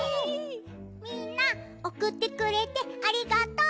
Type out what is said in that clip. みんなおくってくれてありがとう！